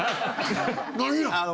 何や？